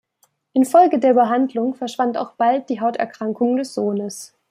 Infolge der Behandlung verschwand auch bald die Hauterkrankung des Sohnes.